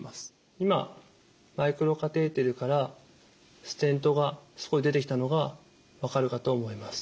今マイクロカテーテルからステントがそこへ出てきたのが分かるかと思います。